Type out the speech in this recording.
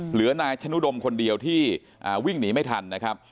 เหลือนายชนุดมคนเดียวที่วิ่งหนีไม่ทันนะครับ